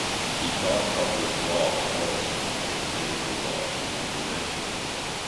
He taught Public Law as well as Medical Law and International Law.